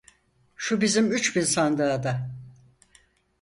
Şu bizim üç bin sandığa da…